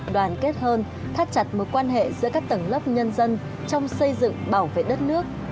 đoàn kết hơn thắt chặt mối quan hệ giữa các tầng lớp nhân dân trong xây dựng bảo vệ đất nước